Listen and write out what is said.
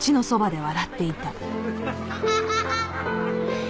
アハハハハ！